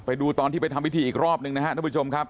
ไปดูตอนที่ไปทำพิธีอีกรอบหนึ่งนะครับท่านผู้ชมครับ